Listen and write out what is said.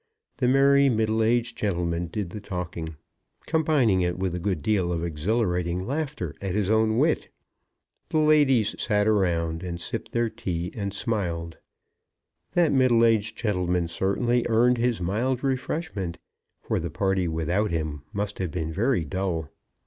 The merry, middle aged gentleman did the talking, combining with it a good deal of exhilarating laughter at his own wit. The ladies sat round, and sipped their tea and smiled. That middle aged gentleman certainly earned his mild refreshment; for the party without him must have been very dull.